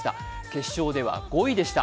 決勝では５位でした。